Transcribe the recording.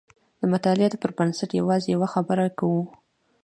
د مطالعاتو پر بنسټ یوازې یوه خبره کوو.